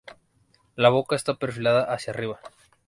La boca está perfilada hacia arriba.